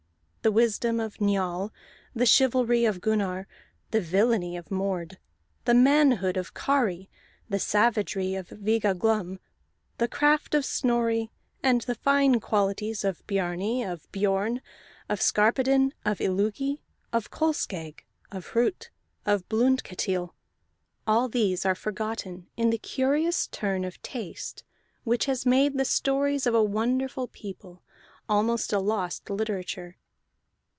The wisdom of Njal, the chivalry of Gunnar, the villainy of Mord, the manhood of Kari, the savagery of Viga Glum, the craft of Snorri, and the fine qualities of Biarni, of Biorn, of Skarphedinn, of Illugi, of Kolskegg, of Hrut, of Blundketil all these are forgotten in the curious turn of taste which has made the stories of a wonderful people almost a lost literature.